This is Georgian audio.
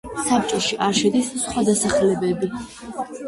საბჭოში არ შედის სხვა დასახლებები.